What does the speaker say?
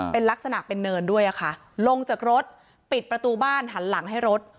เป็นลักษณะเป็นเนินด้วยอะค่ะลงจากรถปิดประตูบ้านหันหลังให้รถ